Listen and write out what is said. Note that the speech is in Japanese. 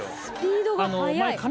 スピードが速い。